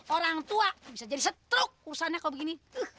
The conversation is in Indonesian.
orang tua bisa jadi setruk urusannya kalau begini